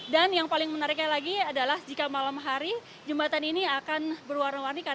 dan yang paling menariknya lagi adalah jika malam hari jembatan ini akan berwarna warni